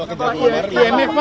ymf pak ymf